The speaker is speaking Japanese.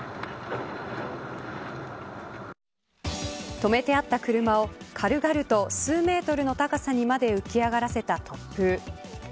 止めてあった車を軽々と数メートルの高さにまで浮き上がらせた突風。